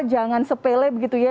jangan sepele begitu ya